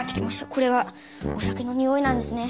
これはお酒のニオイなんですね。